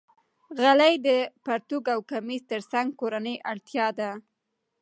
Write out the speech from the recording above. غلۍ د پرتوګ او کمیس تر څنګ کورنۍ اړتیا ده.